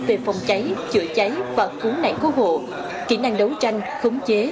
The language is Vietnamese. về phòng cháy chữa cháy và cứu nạn cứu hộ kỹ năng đấu tranh khống chế